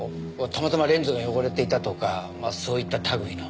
たまたまレンズが汚れていたとかそういった類いの。